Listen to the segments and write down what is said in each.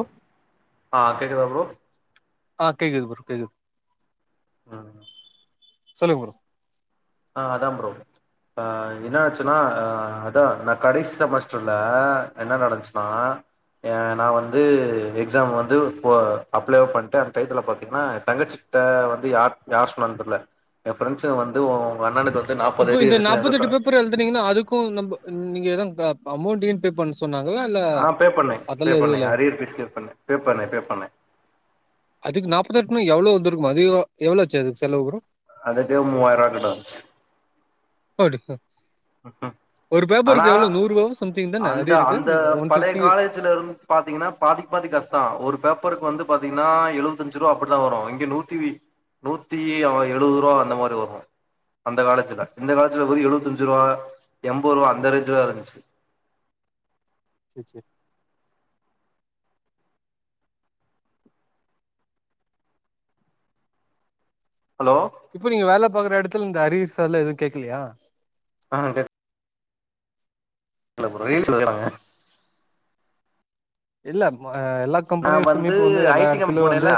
அ ஆ கேக்குதா ப்ரோ ஆ கேக்குது ஃப்ரோ கேக்குது ஆ சொல்லுங்க ஃப்ரோ ஆ அதா ஃப்ரோ ஆ என்ன ஆச்சுன்னா ஆ அதா நா கடைசி செமஸ்டர்ல என்ன நடந்துச்சுன்னா ஏ நா வந்து எக்ஸாம் வந்துப் போ அப்ளேவு பண்ட்டே அந்த டயத்துல பாத்தீங்கன்னா தங்கச்சி ட வந்து யார் யாரு சொன்னான்னு தெரியல ஏ ஃப்ரெண்ஸ்சுங்க வந்து ஓ இப்போ இந்த நாப்பத்தெட்டு பேப்பர் எழுதுனீங்கன்னா அதுக்கூ நம்ப ம் நீங்க எதும் அமௌண்ட எதும் பே பண்ண சொன்னாங்களா இல்ல ஆ பே பண்ணேங் பே அதெல்லா எதுவு பண்ணேங்க இல்ல அரியர் பீ்ஸ் பே பண்ணே பே பண்ணே பே பண்ணே அதுக்கு நாப்பத்தெட்டுனா எவ்ளோ வந்துருக்கு அதிகோ எவ்ளோ ஆச்சு அதுக்கு செலவு வரு அதுட்டே மூவாயிரோ வருண்டா [unintelligible] ஒரு அனா பேப்பருக்கு எவ்ளோ நூறுபாவோ சம்திங் தான அரி அந்த இருக்கு அந்த ஒன் பழைய ஃபிப்டி காலேஜ்ல இருந் பாத்தீங்கன்னா பாதிக் பாதி கஸ்டோ ஒரு பேப்பருக்கு வந்து பாத்தீங்கனா எழுவத்தஞ்சு ரூவா அப்படிதா வரும் இங்க நூத்தி நூத்தி எழுவது ரூவா அந்த மாரி வரும் அந்த காலேஜ்ல இந்த காலேஜ்ல வெரு எழுவத்தஞ்சு ஞ்சுரூவா எம்பது ரூவா அந்த ரேஞ்ச்ல இருந்துச்சு செ செ ஹலோ இப்போ நீங்க வேல பாக்குற எடத்துல இந்த அறியஸ்சால்ல எதுவு கேக்கலையா ஆ ஹா கேக் கேக்கல ஃப்பரோ [unintelligible] இல்ல ஆ எல்லா நா கம்பெனிஸ்சுமே இப்ப வந்து ஐ எல்லா டி கம்பெனி எடத்துலயு வந்து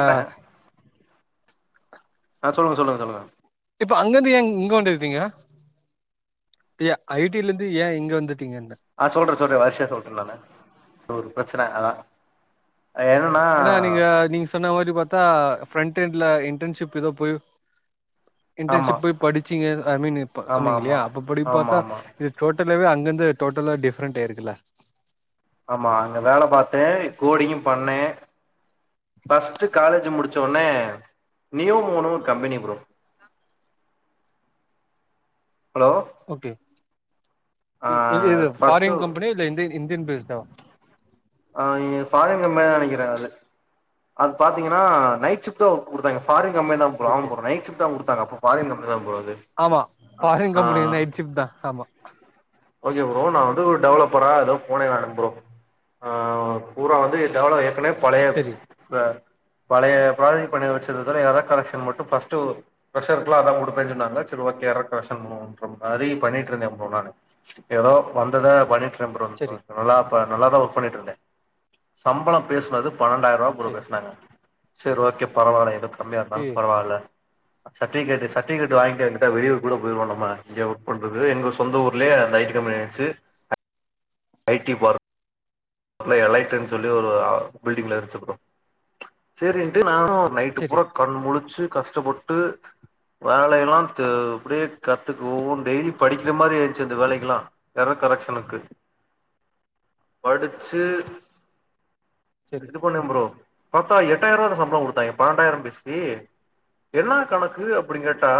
அ அ சொல்லுங்க சொல்லுங்க சொல்லுங்க இப்ப அங்கிந்து ஏ இங் இங்க வந்துருக்கீங்க ஏ ஐடி லந்து ஏ இங்க வந்து ஆ சொல்ற சொல்ற வருசையா சொல்ற நானு ஒரு பிரச்சன அதா என்னன்னா ஏனா நீங்க நீங்க சொன்ன மாரி பாத்தா பிரேண்ட் எண்ட்ல இன்டன்ஷிப் ஏதோ போய் ஆமா இன்டன்ஷிப் போய் படிச்சீங்க ஐ மீன் இப்ப ஆமா ஆமா சொன்னீங்கில்லையா அப்ப படி ஆமா பாத்தா ஆமா இது டோட்டலாவே அன் ங்கந்து டோட்டலா டிஃப்ரண்ட ஆயிருக்குல்ல ஆமா அங்க வேல பாத்தே கோடிங்கு பண்ணே பஃஸ்ட் காலேஜ் முடிச்சோன நியோமோன்னு ஒரு கம்பெனி ப்ரோ ஹலோ ஓகே ஆ இ இது இது ஃபர்ஸ்ட் பாரின் கம்பெனியா இல்ல இந்தின் இந்தியன் பேஸ்டா ஆ இங்க ஃபாரின் கம்பெனி தா நனைக்கிற அது அது பாத்தீங்கன்னா நைட் ஷிப்டு அவுக் குடுத்தாங்க ஃபாரின் கம்பேனி தா ப்ரோ சேரி ஆமா சேரி ப்ரோ னைட்டு ஸிப்டு தா குடுதாங்க ப்ரோ அப்போ ஃபாரின் கம்பேனி தா ப்ரோ அது ஆமா ஃபாரின் ஆ கம்பெனி நைட் ஷிப்ட் தா ஆமா ஓகே ப்ரோ நா வந்து ஒரு டெவலப்பரா ஏதோ போனே நா ப்ரோ ஆ பூரா வந்து எவ்வளவு ஏற்கனவே பழையப் சரி பே பழைய பிராஜக்ட் பண்ணி வச்சது தோட ஏரர் கலெஷன் மட்டு பஸ்ட்டு பிரஷர்குலா அதா குடுப்பெனு சொன்னாங்க செரி ஓக் எறர் கரக்சன் முன்ர மாரி பண்ணிட்டு இருந்த ப்ரோ நானு ஏதோ வந்தத பண்ணிட்டு ட்ட ப்ரோ ரோ சரி நல்லா பா நல்லாதா ஒர்க் பண்ணிட்டு இருந்த சம்பளம் பேசுனது பன்னெண்டாயிரூவா குடுக்ர சரி சோன்னாங்க செரி ஓகே பரவால்ல எதோ கம்மியா ஏ இருந்தாலு பரவால்ல சட்டிபிகேட் சட்டிபிகேட் வாங்கிட்டு எங்குட்டாவது வெளிஊரு கூட போய்ருவோ நம்ப இங்க ஒர்க் பன்றது எங்க ஸ் சொந்த ஊர்லயே ம் அந்த ஐ டி கம்பெனியா வெச்சு ஐடி பார்க் எலைட்ன்னு சொல்லி ஒரு பில்டிங்ல இருன்ச்சு ப்ரோ செரிண்ட்டு நானு நைட்டு சரி பூரா கண் முழச்சி கஷ்டப்பட்டு வேலையெல்லா தெ அப்படியே கத்துக்குவு டெய்லி படிக்கிற மாரி ஆயிச்சு அந்த வேலைக்கெல்லாம் எரர் கரெக்ஷானுக்கு படிச்சு சரி இது பண்ண ப்ரோ பாத்தா எட்டாயிரூவா தா சம்பளம் கொடுத்தாங்க பன்னெண்டாயிரம் பேசி என்ன கணக்கு அப்டினு கேட்டா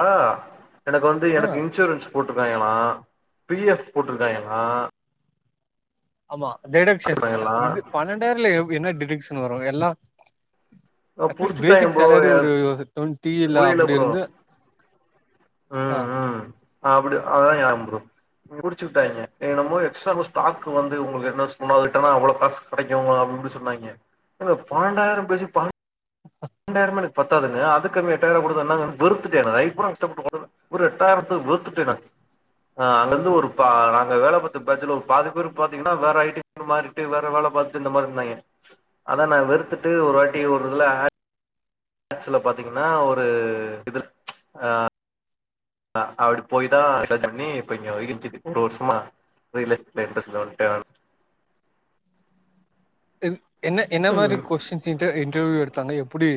எனக்கு வந்து ஆ எனக்கு இன்சூரன்ஸ் போட் ட்ருக்காங்களா பி எஃப் போட்ருக்காய்ங்களா ஆமா டெடக்ஷாஸ் அ இது பணண்டாயிரல என்ன டிடஷன் வரு எல்லா அட்லீஸ் புடிச்சுட்டாய்ங்க பேசிக் ப்ரோ சாலரி ஒரு டுவல்வ் டி இல்ல புரியல அப்படி ப்ரோ இருந்து ஆ டி அதா யான் ப்ரோ புடிச்சுவுட்டாய்ங்க எனமோ எக்ஸ்ட ஸ்டாக் வந்து உங்களுக்கு என்ன சொன்னதுக்கெள்ளா அவ்ளோ காசு கிடைக்கும் அப்டி இப்டின்னு சொன்னாய்ங்க எங்க பனன்டாயிரம் பேசி பனன்டு டாயிரமே எனக்கு பத்தாதுங்க அதுகனு எட்டாயிரம் கொடுத்தா என்னங்க வெறுத்துட்ட நா நைட் பூரா கஷ்டப்பட்டது வெறு எட்டார்த்துக் வெறுத்துட்ட நா ஆ அங்கருந்து ஒரு ப நாங்க வேல பாத்த பஜ்சுல ஒரு பாதி பேர் பாத்தீங்கன்னா வேற ஐ மாறிட்டு வேற வேல பாத்துட்டு இந்த மாரி இருந்தாங்க அதா நா வெறுத்துட்டு ஒரு வாட்டி ஒரு இதல அ மேக்ஸ்ல பாத்தீங்கன்னா ஒரு இது அ அ அப்டி போய் தா ரிசர்ச் பண்ணி இப்ப இது வரைக் [unintelligible] ஒரு வருஷமா ரியலைஸ் [unintelligible] [inaudible] என் என்ன என்ன மாரி ம் கொஸ்டின் இன்டர் இன்டர்வியூ எடுத்தாங்க எப்டி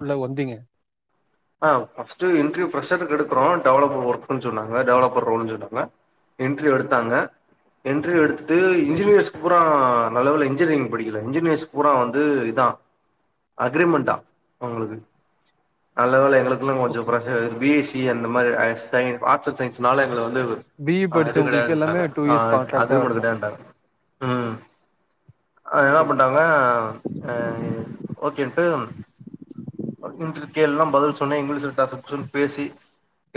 உள்ள வந்தீங்க அ ஃபஸ்ட்டு இன்டர்வ்யு ஃப்ரெஷர்க்கு எடுக்குறோ டெவலப்பர் ஒர்க்ன்னு சொன்னாங்க டெவலப்பர் ரோல்ன்னு சொன்னாங்க இன்ட்ர்வ்யு எடுத்தாங்க இன்டர்வ்யு எடுத்துட்டு சரி இன்ஜினியர்ஸ் பூரா நல்ல வேல இன்ஜினியரிங் படிக்கல இன்ஜினியர்ஸ் பூரா வந்து இதா அக்கிரிமண்டா அவங்களுக்கு நல்ல வேல எங்களுக்குல்லா கொஞ்ச ஓகே பிரச்சனை பிஎஸ்ஸி அந்த மாரி [unintelligible] ஆட்ஸ் அண்ட் சயின்ஸ்னால எங்கள பி இ [unintelligible] இது படிச்சவங்களுக்கு எல்லாமே கடையாதுண்டாங்க டூ ஆ இயர்ஸ் கான்ட்ராக்டா அக்ரிமெண்ட் இருக்கு கடையாதுன்ட்டாங்க ம் அ என்ன ஓகே ஓகே பண்டாங்க ஓகேன்ட்டு இன்று கேள்ளாம் பதில் சொன்னே இங்கிலீஷ்ல டக் புஸ் னு பேசி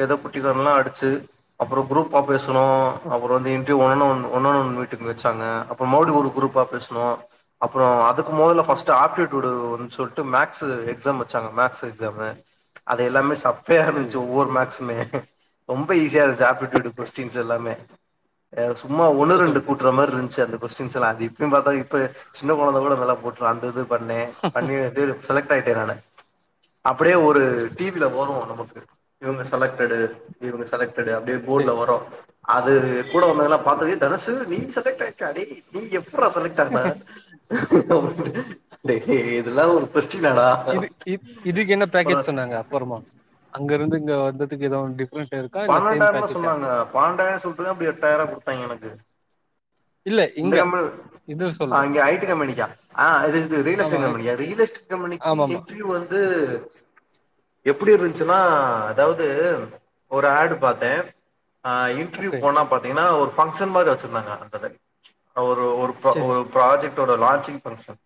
ஏதோ குட்டிக்காரல்லா அடிச்சு அப்புற குரூப்பா பேசணு ம் அப்புற வந்து அப்படியே ஒண்னொன் ஒன் ஒண்னொன் மீட்டுங் வச்சாங்க அப்றம் மோடி ஒரு குரூப்பா பேசனோ அப்புற அதுக்கு முதல ஃபஸ்ட் ஆப்டிடூடு வரும் சொல்லிட்டு மேக்ஸ் எக்ஸாம் ச்சாங்க மேக்ஸ் எக்ஸ்சாம்மு அது எல்லாமே சப்பைய சரி இருந்துச்சி ஒவ்வொரு மேக்ஸுமே ரொம்ப ஈஸியா இருந்ச்சி ஆப்ட்டிடூடு ஓகே கொஸ்டின்ஸ் எல்லாமே [unintelligible] சும்மா ஒன்னு ஓகே ரெண்டு ஓகே கூட்ற மாரி இருந்ச்சு அது கொஸ்டிண்ஸ் எல்லா இப்பயும் பாத்தா இப்ப சின்ன குழந்தை கூட நல்லா போட்றும் அந்த இது பண்ணே பண்ணி [unintelligible] செலக்ட் ஆயிட்டேன் நானு அப்படியே ஒரு டிவில போடுவான் நமக்கு இவங்க செலக்ட் செலெக்டடு இவங்க செலக்ட்டடு அப்படியே சரி போர்டுல வரும் அது கூட வந்தவங்கலா பாத்து [unintelligible] டெலஸ்சு நீ செலக்ட் ஆயிட்ட டேய் நீ எப்ரா செலக்ட் ஆன இதெல்லா ஒரு கொஸ்ட்டிணாடா இது இ இதுக்கு என்ன பேக்கேஜ் சொன்னாங்க அப்பறமா அங்க இருந்து இங்க வந்ததுக்கு எது டிப் பனண்டாயிரம் தான் சொன்னாங்க பண்டாயிரம் சொல்லிட்டு தான் அப்படி எட்டாயிரம் கொடுத்தாங்க எனக்கு இல்ல இங்க இது சொல்றே அங்க ஐடி கம்பெனிகா ஆ இது ஆமா ரியல்லேஸ்டேட் இ- கம்பெனிகா ரியல்லேஸ்டேட் கம்பேனிக்கு ஆமா ஆமா இண்ட்ரிவ்யு வந்து வந்து எப்படி இருந்ச்சுன்னா அதாவது ஒரு ஆடு பாத்தே ஆ இன்டர்வியூ ஓகே போனா பாத்தீங்கன்னா ஒரு பங்க்ஷன் மாரி வச்சிருந்தாங்க [unintelligible] ஒரு ஒர் சரி ஒரு ப்ராஜெக்ட் ப்ராஜெக்ட் ஓட லான்ஜிங் பங்க்ஷன்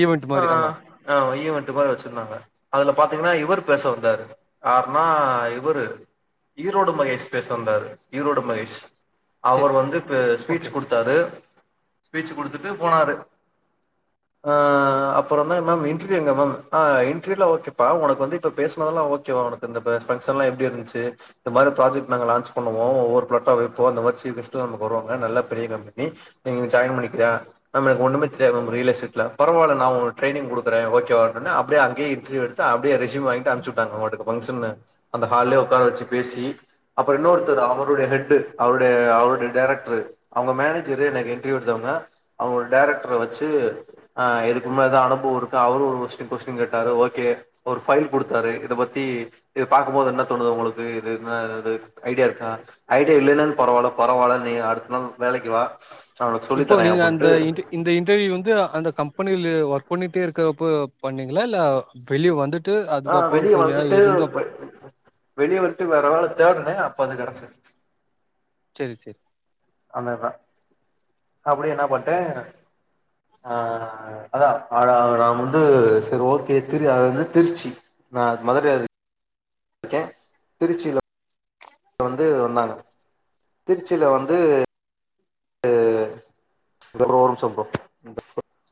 ஈவென்ட் ஆ மாரி ஆமா [unintelligible] ஈவன்ட் மாரி வச்சிருந்தாங்க அதுல பாத்தீங்கன்னா இவர் பேச வந்தாரு யாருனா இவர்ரு ஈரோடு மகேஷ் பேச வந்தாரு ஈரோடு மகேஷ் அவர் சரி வந்து ஓகே ஸ்பீச் கொடுத்தாரு ஸ்பீச் குடுத்துட்டு போனாரு [inaudible] ஆ அப்புறம்ந்த மேம் இன்டர்வியூ எங்க மேம் ஆ இன்டர்வியூ ல ஓகே பா உனக்கு வந்து இப்ப பேசுனதலா ஓகே வா உனக்கு இந்த ஃபங்க்ஷன் லா எப்டி இருந்துச்சு இது இந்த மாரி ப்ராஜெக்ட் நாங்க லான்ச் பண்ணுவோ ஒவ்வொரு [unintelligible] இந்த மாரி சீஃப் கெஸ்ட்டு நமக்கு வருவாங்க நல்லா பெரிய கம்பனி நீ நீ இங்க ஜாயின் பண்ணிக்கிரியா மேம் எனக்கு ஒண்ணமே தெரியாது மேம் ரியல்ஸேட்ல பரவால்ல நான் உனக்கு டரைனிங் கொடுக்குறே ஓகே வா ன்னு அப்டியே அங்கேயே இன்டர்வியூ எடுத்து அப்டியே ரெஸ்யூம் வாங்கிட்டு அனுப்ச்சுட்டாங்கா அவங்க பாட்டுக்கு ஃபங்க்ஷன்னு அந்த ஹால்லே உக் கார வச்சு பேசி அப்புறம் இன்னொருத்தரு அவருடைய ஹெட் அவருடைய அவருடைய டைரக்ட்ரு அவங்க மேனேஜரு எனக்கு இன்டர்வியூ எடுத்தவங்க அவங் டைரக்ட்ர வச்சு வச்சு ஆ இதுக்கு முன்ன எதா அனுபவ இருக்கா அவர் கொஸ்டின் கேட்டாரு ஓகே ஒரு ஃபைல் கொடுத்து தாரு இதை பத்தி இது பாக்கும்போது என்ன து தோணுது உங்களுக்கு இதுது ஐடியா இருக்கா ஐடியா இல்லைன்னு பரவால்ல பரவால்ல நீ அடுத்த நாள் வேல லைக்கு வா நா உனக்கு சொல்லி இப்போ தரே நீங்க அந்த அப்டின்ட்டு இந்த இன்டர்வியூ வந்து அந்த கம்பெனில ஒர்க் பண்ணிட்டே இருக்கப்ப பண்ணீங்களா இல்ல வெளியே வந்துட் ஆ வெளியே வந்துட்டு வெளிய வேற வேலா தேடனே அப்ப அது கிடச்சுது சரி சரி அந்ததான் அப்படி என்ன பான்டே ஆ அதா நான் வந்து சரி ஓகே த அது வந்து திருச்சி நான் மதுரைக்கே திருச்சில வந்து வந்தாங்க திருச்சில வந்து அப்புற ப்ரோ ஒரு நிமிஷம் ப்ரோ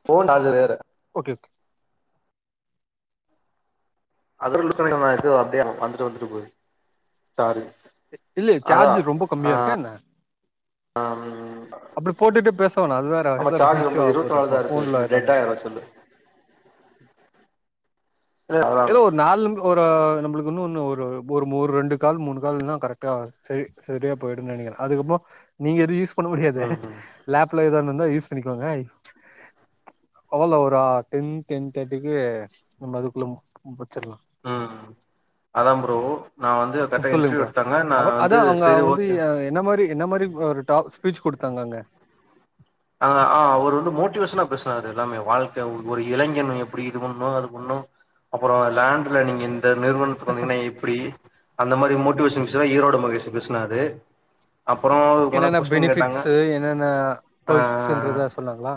போன் அது வேற ஓகே ஓகே [unintelligible] இருக்கு அப்படியே வந்துட்டு வந்துட்டு போது சார்ஜ் இல்லைய சார்ஜ் ரொம்ப கம்மியா இருக்கா என்ன ஆம் அப்படி போட்டுடே பேசவனு அது வேற எதே சார்ஜ் இஷயூ ரொம்ப ஆக இருவத்தி போது நாலு தா இருக்கு போன்ல இன்னு ஏதானே டெட் [inaudible] ஆயிரு செல்லு இல்ல அதா ஏதோ ஒரு நாலு ஒரு நம்ளுக்கு ஒரு ரெண்டு கால் மூணு கால் கனெக்ட்யே ஆகாது சரியா போய்டுனு நினைக்கிறே அதுக்கப நீங்க எதுவு யூஸ் பண்ண முடியாது ம் ம் லேப்ல ஏதன்ன இருந்தா யூஸ் பண்ணிக்கங்க அவல அவரா டென் டென் தேடிக்கு நம் அதுக்குள்ள முடிச்சரலா உம் அதம் ப்ரோ நா வந்து கரெக்டா சொல்லுங்க இன்டர்வியூ ப்ரோ எடுத்தாங்க நா அவ அதா வந்து அவங்க சரி வந்து ஓகே என்ன மாரி என்ன மாரி ஒரு டாப்ஸ் ச்சு கொடுத்தாங்காங்க அ ஆ அவர் வந்து மோட்டிவேஷனா பேசனாரு எல்லாமே வாழ்க்கை ஒரு இளைஞன் எப்படி இது பண்ணு அது பண்ணு அப்புற லேண்ட்ல நீங்க இந்த நிறுவனத்துக்கு வந்தீங்கன்னா எப்டி அந்த மாதிரி மோட்டிவேஷன் ஈரோட மகேஷ பேசினறு அப்புற ஒவ்வொண்ண கொஸ்டின் கேட்டாங்க ஆ பஸ்ன்றதா சொன்னாங்களா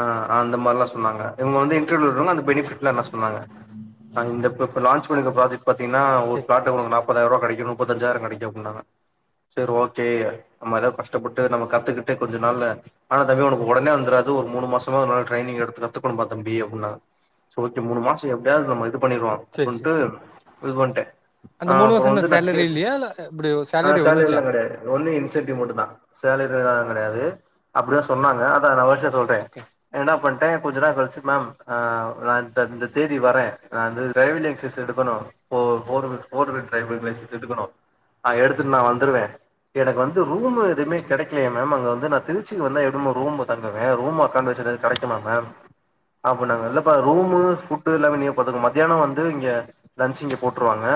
ஆ அந்த மாதிரி எல்லா சொன்னாங்கங்க இவங்க இன்டெர்வியூலா இருக்காவாங்க அந்த பெனிபிட் என்ன சொன்னாங்க இந்த லான்சு புக் பன்னிருக்க ப்ராஜெக்ட் பாத்திங்ன்னா ஒரு செரி பிளாட் செரி உளுக்கு நாப்பதாயாரம் கிடைக்கு முப்பத்தஞ்சாயிரம் கிடைக்காங்க சரி ஓகே நம் ஏதாவ பஸ்ட் கஷ்டப்பட்டு நம்ம ஓகே ஓகே கத்துக்கிட்டு கொஞ்ச நாள்ளா ஆனா தம்பி உனக்கு உடனே வந்தறது ஒரு மூணு மாசமா ஒரு ட்ரைனிங் எடுத்து கத்துக்கனுப்பா தம்பி அப்டினாங்க ஓகே மூணு மாசம் எப்டியாவது நம்ம இது பண்ணிடுவோ செரி அப்படின்னுட்டு செரி இது பண்ணிட்டே அந்த ஆ மூணு அப்புற வருஷோ என்ன வந்து ந கே சேலரி இல்லையா இல்ல எப்டி சேலரி வந்துச்சா எல்ல கிடைய ஒலி இன்சென்டிவ் மட்டு தா சேல அதனால கேடையாது அப்டி தாசொன்னாங்க அதை நான் வருசயா சொல்றே ஓகே என்ன பன் பன்னே கொஞ்ச நாள் கழிச்சு மேம் ஆ நா இந்தத தேதி வரே நாவந்து டிரைவிங் லைசன்ஸ் எடுக்கணு போர் போரதுக் போரதுக் டிரைவிங் லைசன்ஸ் எடுக்கனு ஆம்எடுத்துட்டு நான் வந்துருவே எனக்கு வந்து ரூமு எதுவுமே கெடைக்லயே மேம் அங்க வந்து நான் திரு ச்சி வந்தா எப்டி மேம் ரூம் ல தங்குவே ரூம் அகாம்ஷன் கெடைக்மாங் மேம் அப்புன்னாங்க இல்லப்பா ரூமு புட்டு எல்லாமே நீங்க பாத்துக்கோங் மத்தியானம் வந்து இங்கெ லன்ச் இங்கெ போட்ருவாங்க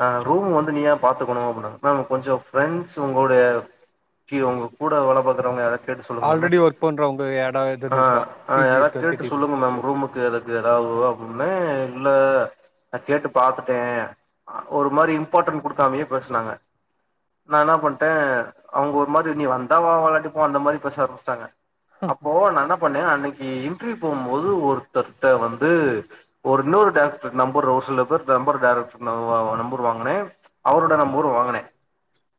ஆ ரூமு வந்து நீயாத பாத்துக்கணு அப்புன்னாங்க மேம் கொஞ்ச பிரண்ட்ஸ் உங்ளோட கீ ஒங்க கூட வேல பாக்கறவங்க யார் கேட்டு சொல்லுங்க மேம் ஆல்ரெடி ஒர்க் பண்றவங்க எடோ எதுன்னு இருக்கா அஆ பி ஜி இருக்கான்னு ஏதாகேட்டு கேட்டிது சொல்லுங்க ஓகே மேம் ஓகே ரூமுக்கு அதுக்கு ஏதாவது அப் னே இல்ல நா கேட்டு பாத்துட்டே அ ஒரு மாரி இம்பார்ட்டன்ட் குடுக்காமயே பேசுனாங்க நா என்ன பண்ட்டே அவங்க ஒரு மாரி நீ வந்தா வா வராட்டி போ அந்த மாரி பேச ஆரம்புச்டாங்க அப்போ நா என பண்ணே அ அன்னக்கி இன்ட்ர்வியூ போவும்போது ஒருத்தர்ட்ட வந்து ஒரு இன்னொரு டாக்டர் நம்பர் ஒரு சிலபேர் நம்பர் டைரக்டர் நம்பர் வாங்குனே அவரோட நம்பரு வாங்குனே [unintelligible]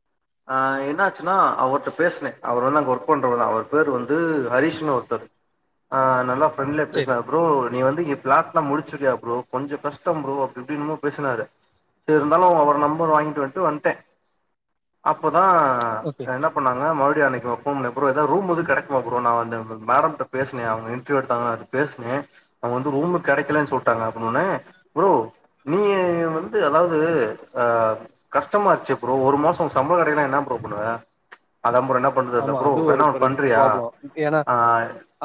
ஆ என்னாச்சுனா அவர்ட்ட பேசுனே அவர் வந்து அங்கஓ ஒர்க் பன்ரவர் தா அவர் பேர் வந்து ஹரீஷ்ன் ஒருத்தர் ஆ நல்லா ஃரண்டலியா செரி பேசுவார் ஃப்ரோ நீ வந்து எப் ஃபிளாட்லா முடிச்சுருவியா ப்ரோ கொஞ்ச கஷ்ட ப்ரோ அப்டி இப்டினு மோ பேசுனாரு இருந்தாலு அவர் நம்பர் வாங்கிட்டு வந்ட்டு வந்ட்டே அப்போ ங்கனா ஓகே என்ன பண்ணாங்க மறுடி அன்னக்கு போன் பண்ணே ப்ரோ எதது ரூம் எது கெடைக்மா ஃப்ரோ நா வந் மேடம்ட்ட பேசுனே அவங்க இன்ட்ர்வியூ எடுத்தாங்ள பேசுனே அவங்க வந்து ரூமு கெடைக்லனு சொல்ட்டாங்க அப்ன்னொனே ப்ரோ நீ ஏ வந்து அதாவது ஆ கஷ்டமாச்சே ப்ரோ ஒரு மாசொச சம்பளம் கெடைக்லனா என்ன ப்ரோ பண்ணுவ [unintelligible] அதா ஃப்ரொ என்ன பண்றது ஆமா ப்ரோ அது ஒரு வேணா ஒன்னு பெரிய பண்றியா ப்ராப்ளொ ஏனா ஆ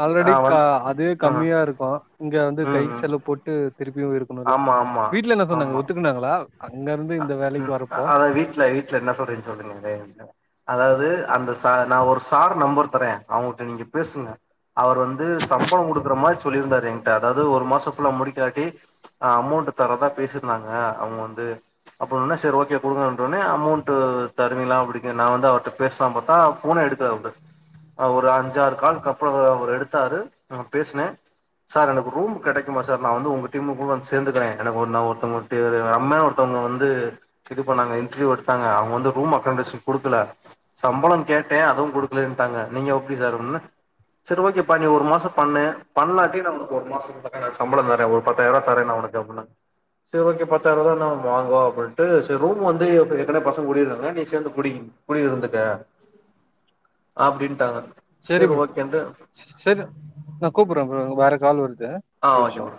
ஆல்ரெடி ஆ வந் அதே ஆ கம்மியாருக்கு இங்க வந்து கை ம் ம் செலவு போட்டு திருப்பியு இருக்கணுல ஆமா ஆமா வீட்ல என்ன சொன்னாங்க ஆமா ஒத்துக்கனாங்களா அங்கருந்து இந்த வேலக்கி ம் வரப்போ அதா வீட்ல வீட்ல என சொல்றேனு சொல்றீங்க அதாவத வது அந்த சா நா ஒரு சார் நம்பர் தரே அவங்ட்ட நீங்க பேசுங்க அவர் வந்து சம்பளம் கொடுக்குற மாரி சொல்லிருந்தாரு என்கிட்ட அதாவது ஒரு மாசம் குல்ல முடிக்காட்டி ஆ அமௌண்ட் தரதா பேசிருந்தாங்க அவுங்க வந்து அப்பன்னொன செரி ஓகே குடுங்க னொனே அமௌண்ட் தருவீங்களா அப்டி ந வந்து அவர்ட்ட பேசலா பாத்தா ஃபோனே எடுக்ல அவரு ஒரு அஞ்சாறு கால்க்குகப்ற அவரு எடுத்தாரு நா பேசுனே சார் எனக்கு ரூம் கெடைக்குமா சார் நா வந்து உங்க டீமு கூட வந்து சேந்துக்றே எனக்கு ஒரு நா ஒருத்தங்கந்து அம்னு ஒருத்தங்க வந்து இது பண்ணாங்க இன்டர்வியூ எடுத்தாங்க அவங்க வந்து ரூம் அகாமடேஷன் குடுக்கல சம்ளொ கேட்டே அதுவு குடுக்லன்டாங்க நீங்க எப்படி சார் னொனே செரி ஓகே பா நீ ஒரு மாச பண்ணு பண்ணாட்டியு நா உனக்கு ஒரு மாசொ சம்பளொ தரே ஒரு பத்தாயிரம் தரே உனக் த ப்பனா செரி ஓகே பத்தாயிரம் ரூபான நம வாங்குவோ அப்டின்ட்டு செரி ரூம் வந்து ஏர்க்னவே பசங்க கூடியிர்றாங்க நீ சேர்ந்து குடி குடி இருந்துக்க அப்டின்ட்டாங்க செரி சரி ப்ரோ ஓகேன்ட்டு செரி நா கூப்புர்ரெ ப்ரோ வேற கால் வருது ஆ ஒரு ஓகே நிமிஷோ ஃப்ரோ